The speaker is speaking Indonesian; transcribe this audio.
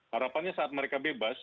harapannya saat mereka bebas